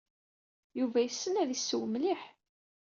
Yuba yessen ad yesseww mliḥ.